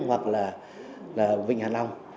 hoặc là vịnh hà nội